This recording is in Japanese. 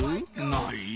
ない？